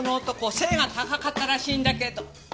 背が高かったらしいんだけど。